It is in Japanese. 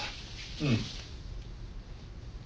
うん。